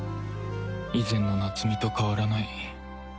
以前の夏美と変わらない